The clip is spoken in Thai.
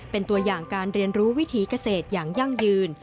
เป็นตัวอย่างการเรียนรู้วิถีเกษตรอย่างยั่งยืน